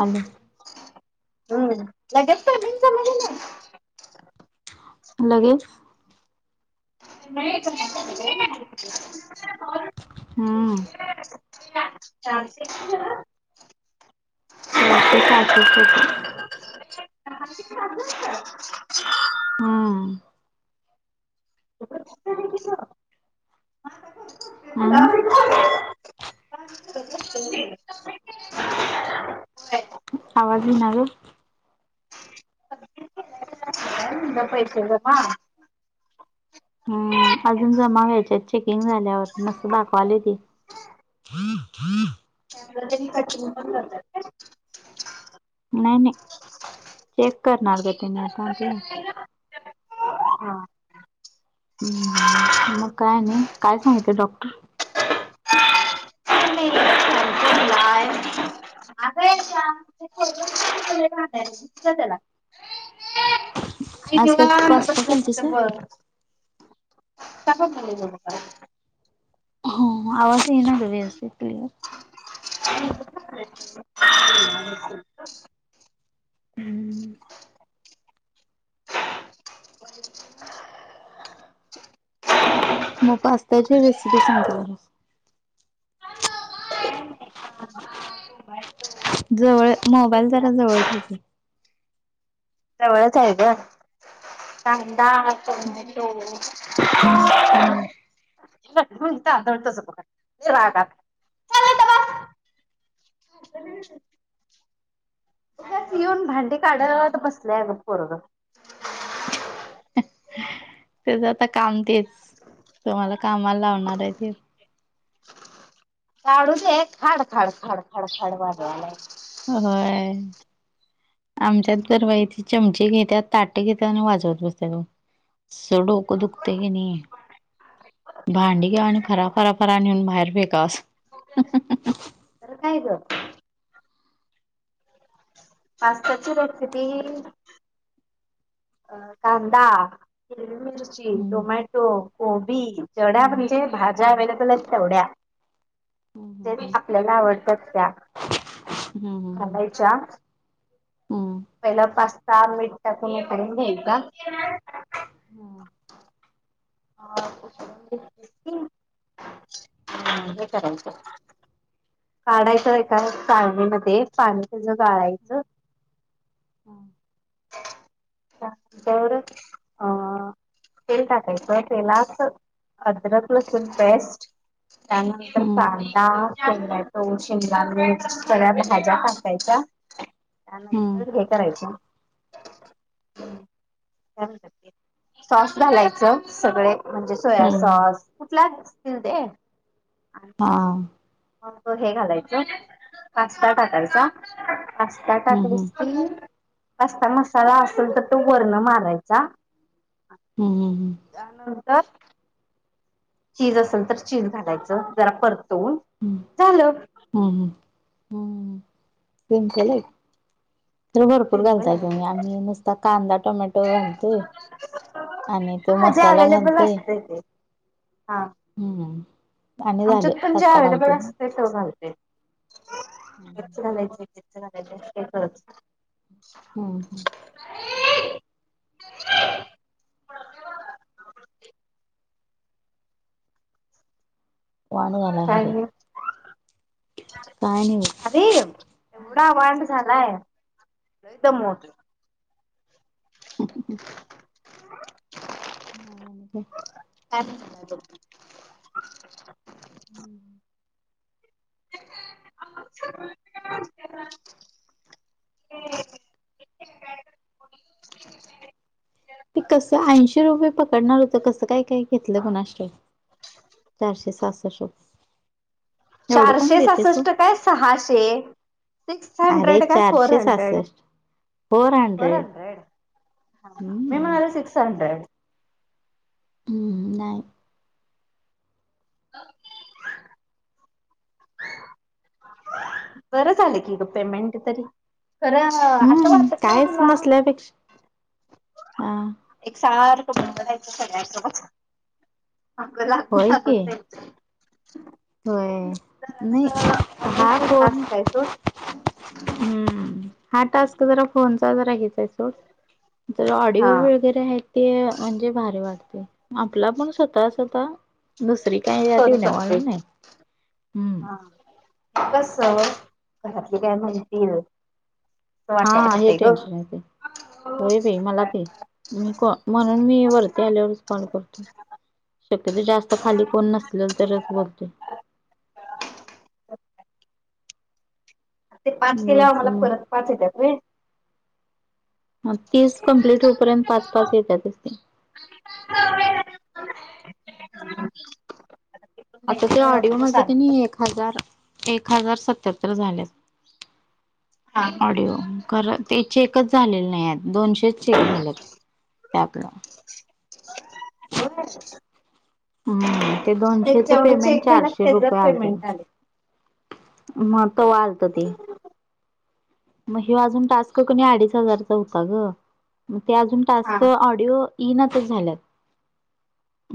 हल हम्म लगेच. लगेच हम्म [inaudible] चारशे सहासष्ट रुपये. [inaudible] हम तस हं आवाज ईना होय. [inaudible] हम अजून जमा व्हायचेत चेकिंग झाल्यावर नसं दाखवाले ते [unintelligible] नाही नाही चेक करणार त्यांनी आता ते हा हूं मग काय नाही काय सांगितल डॉक्टर? [unintelligible] आला [unintelligible] आई घेऊन आला मं [inaudible] आज काय तिथं पास्ता केलतीस व्हय बर. काहा नम [unintelligible] हं आवाज नही येणार ये व्यवस्थित क्लिअर. [inaudible] [inaudible] [inaudible] म पास्ताची रेसिपी सांग तिला मं. [inaudible] जवळ मोबाईल जरा जवळ ठेव की. जवळच आहे गं कांदा, टोमॅटो. हूं! [unintelligible] [inaudible] येऊन भांडी काढयलात बसलय बग पोरगं. त्याच आता काम तेच, तुम्हाला कामाला लावणार आहे ते. काढू देत खाड, खाड, खाड, खाड, खाड, वाजवाला. होय! आमच्यात तर बाई ते चमचे घेत्या ताट घेत्या, आणि वाजवत बसत्यात ओ. असडोक दुखते की नही. भांडी घ्याव आणि फरा, फरा, फरा नेऊन बाहेर फेकाआस. तर काय गं. पासत्या ची रेसिपी? अ कांदा, हिरवी मिरची, हम्म टोमॅटो. कोबी, जेवढ्या म्हणजे भाज्या हम्म अवेलेबल आहेत तेवढ्या. हम्म आपल्याला आवडतात त्या. हम्म आणायच्या पहिला पास्ता मीठ टाकून उकडून घ्यायचा हं! मग हे करायचं [unintelligible] काढायचं एका चाळणीमध्ये पाणी त्याच गाळायचं. [inaudible] हा [inaudible] अ तेल टाकायचं. तर तेलात अदरक लसूून पेस्ट, त्यानंतर हम्म पाणी. [unintelligible] त्यात टोमॅटो शिमला मिर्च सगळ्या भाज्या टाकायच्या. हम्म त्यानंतर हे करायच. सॉस घालायचं. सगळे म्हणजे हम्म हम्म हम्म हम्म सोया हम्म हम्म सॉस, कुठल्या असतील ते. हा! मंग ते हे घालायचं पास्ता टाकायचा. त्या हम्म हम्म टाकलीस की पास्ता मसाला असेल तर तो वरण मारायचा. हूं हूं हूं! त्यानंतर. चीज असेल तर चीज घालायचं जरा परतवून झालं. हम् ह हम् सिमपल आहे तर भरपूर सिम्पल घालताय आहे तुम्ही आम्ही नुसता कांदा टोमॅटो घालतोय आणि तो हा जे मसाला अवेलेबल घालतोय असते ते हा हम्म आणि झालं आमच्यात पण जे पास्ता अव्हेलेबल घालतोय असत ते घालते. हम्म [unintelligible] हम वाणी झालाय काय अरे नाही काय नाही अरे एवढा वांड झालाय एकदम मोठ ह [inaudible] मक ह हम्म हहहहहहह ह ते कसं ऐंशी रुपये पकडणार होतं कस काय काय घेतलं क चारशे सातासष्ट चारशे सासष्ट काय सहाशे सिक्स अरे हंड्रेड काय फोर चारशे हंड्रेड सहासष्ट फोर हंड्रेड ह मेम हम्म. सिकक्स हड्रेड नाही हो बरं झाले की ग पेमेंट तरी खरं असं हम्म वाटत नाही काहीच तुला नसल्यापेक्षा हा एक सारखं बण ब जायचं सगळ्यासोबत आप होय की लागगल, [inaudible] होय नाही म्हणून हा तो कोण. टास्क आहे सोड हम्म हा टास्क जरा फोनचा जरा घेत. ज ऑडिओ हा वगैरे आहे ते म्हणजे भारी वाटते. आपला पण स्वतः स्वतः दुसरी काही जाती करू नवालय हम्म. कस घरातले काय माहिती. हा हे टेन्शन आहे ते होय भ मला भ. मी म्हणून मी वरती आल्यावरच कॉल करते. तसंच जास्त खाली कोण नसलेल तरच बोलते. ते पाच केल्यावर उगाच आम्हाला परत मग पाच येत्या. तीस कम्प्लीिट होऊपर्यंत पाच पाच येत्यासती. हो. आता ते ऑडिओ माझ का नाही एक हजार. एक हजार सत्यात्तर झाल्या हा ऑडिओ. खरं ते चेकच झालेले नाही आहेत दोनशेच चेक झाले त्या आपलं. हो. हम्म ते दोनशेच जेवढं पेमेंट चेक झालं चारशे रुपये त्याच पेमेंट आलेत. आलंय मग त वाढतं ते. मग हे अजून टास्क कोणी अडीच हजारचा होता ग मग ते अजून हा टास्क ऑडिओ. इईनातच झाल्यात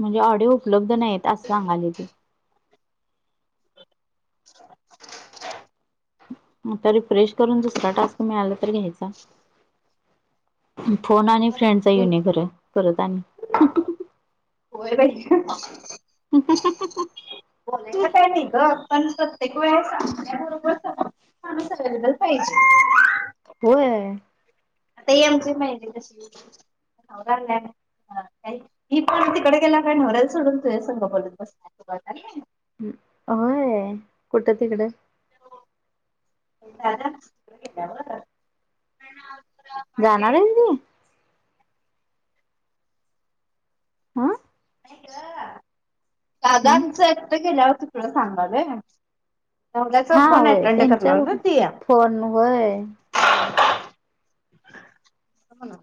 म्हणजे ऑडी उपलब्ध नाहीत असं सांगायला ते. ह. तर रिफ्रेश करून दुसरा टास्क मिळाला तर घ्यायचा. फोन आ आणि फ्रेंड ठीक आहे येईल परत आणि होय [inaudible] बोलेला काय नाही ग पण ते वेळे सांगल्याबरोबर सर् माणूस अवेलेबल पाहिजे. होय आता आमची माहिती कशील्या ह का ही पण तिकडे गेला कायवयला सोडून तू हे सग बोलत बस. होय कुठं तिकडं. एव जाणार आहेत काय? हम दादा आमचं एकट केेल्यावरती तुला सांगाल. चस हा फोन होय अटेड करला ना त्यांच्यावर तया फोन होय होय हो ना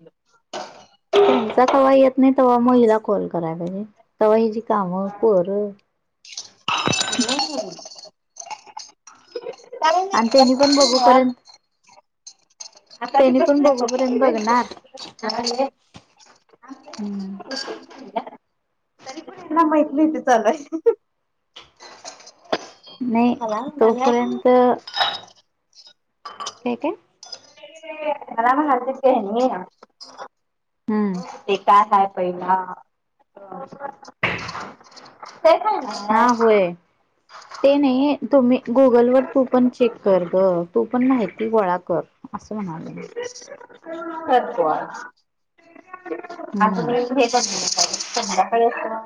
त्यांचा कवा्हा येत नाही तेव्हा महिला खल करायला पाहिजे तेव्हा हिची काम पर ह काय नाही आणि त्यांनी पण बसलोय बघूपर्यंत आताी त्यांनी कस पण बघूपर्यंत बघणार द हम्म तरी पण त्यांना माहितली होती लय. नाही हला न तोपर्यंत का आहे. नाम हरदीित कणी हम्म ते काय काय पहिला ते काय ना हा होय. ते नाही तुम्ही गुगल वर तू पण चेक कर ग तू पण माहिती गोळा कर. असलणाले. तप हम्म अजून हेच सध्या आहे.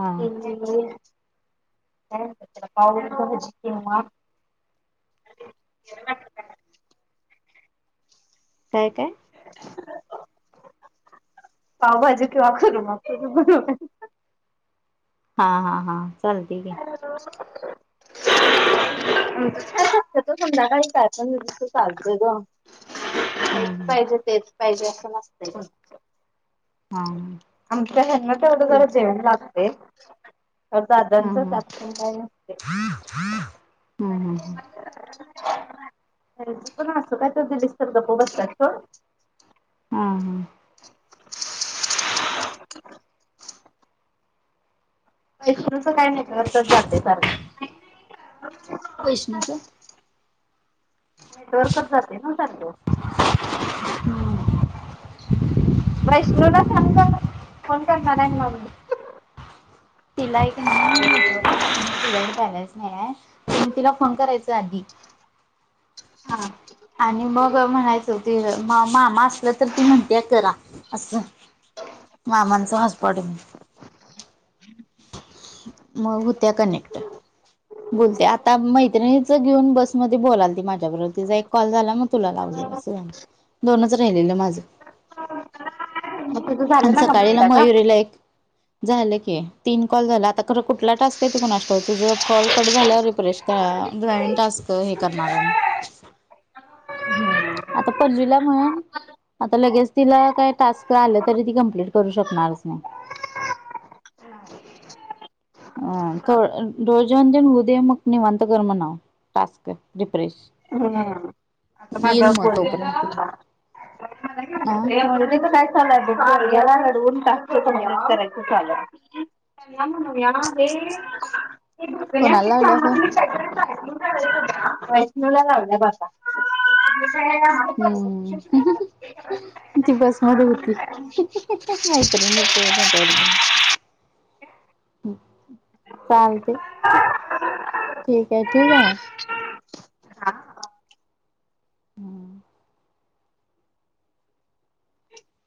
हा पाच काय काय? पावबाजी कवा कररू मग. हा हा हा चालते की हॅलो [inaudible] त त संा काही काय पणस चालतोय ग. हेच हम्म पाहिजे तेच पाहिजे असं नसत. हम्म हा हा आमच्या हना तेवढ ते जरा जेवण लागते तर दादांच. हम्म हम्म ए का हम् हम् हम पण अस काय तडस्त गपो बसतात. हा हा वैष्णवनंचं काय नाय करतच जातय सारखं वैष्णच नेटवर्क चं जातय नं सारखं हम्म वैष्णला सांग ग फोन करणार हाय ममी तिला हाय की नाय नेटवर्क चं जात नाय तिच्याकडे बॅलन्स नाय हाय. मंग तिला फोन करायचाय आधी हा. आणि मग म्हणायचं ते म मामा असं असल तर ती म्हणतेय करा असं मामांचं हॉस्पॉट घेऊन मग होत्या कनेक्ट. बोलते आता मैत्रिणीच घेऊन बसमध्ये बोलालती माझ्याबरोबर तिजा एक कॉल झाला मग तुला लावल असं झालं दोनच राहिलेलं माझं. मग तुझं आणि झालं ना कंप्लीट सकाळीला आता? मयुरीला एक झालं की तीन कॉल झाला आता खरं कुठला टास्क येत कुणास ठाऊक तुझं कॉल कट झाल्यावर रिफ्रेश करा जॉईंन टास्क त हे करणार हाय मी [inaudible] आता पल्लवीला म्हण आता लगेच तिला काय टास्क आलं तरी ती कमप्लीट करू शकणारच नाय अ तो डोहाळजेवण तेन होऊदे मग निवांत कर म्हणाव टास्क रिफ्रेश. हम्म आता माझ्या येईल मग बोल तोपर्यंत तिला आ [unintelligible] हे म्हणलं तीच काय? चालाय बघ पोरग्याला रडवून टास्क कंप्लीट करायचं चालू हाय. म्हणूया हे हे भाकऱ्या कोणाला लावल्या फोन? [unintelligible] वैष्णवीला लावलाय ब आता हम्म ती बसमध्ये [unintelligible] होऊ दे नं तेवढं जण चालतय ठीक ये ठिऊ काय मग हा